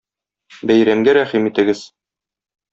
Бәйрәмгә рәхим итегез!